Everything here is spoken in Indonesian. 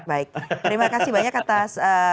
baik terima kasih banyak atas